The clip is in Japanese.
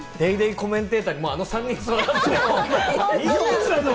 コメンテーターにあの３人、座ってもらっても。